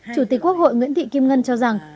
chủ tịch quốc hội nguyễn thị kim ngân cho rằng